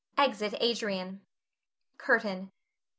[Exit Adrian. CURTAIN.